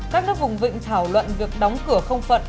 các nước vùng vịnh thảo luận việc đóng cửa không phận